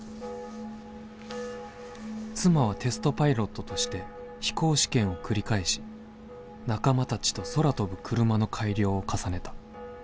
「妻はテストパイロットとして飛行試験を繰り返し仲間たちと空飛ぶクルマの改良を重ねた。